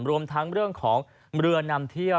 รวมทั้งเรื่องของเรือนำเที่ยว